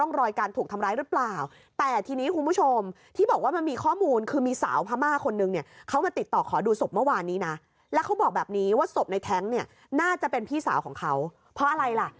น่าจะเป็นพี่สาวของเขาเพราะอะไรล่ะ